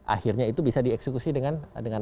akhirnya itu bisa dieksekusi dengan